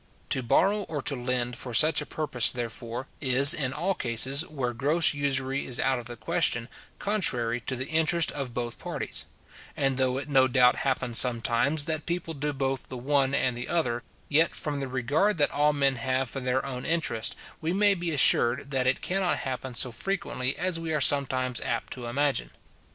To borrow or to lend for such a purpose, therefore, is, in all cases, where gross usury is out of the question, contrary to the interest of both parties; and though it no doubt happens sometimes, that people do both the one and the other, yet, from the regard that all men have for their own interest, we may be assured, that it cannot happen so very frequently as we are sometimes apt to imagine.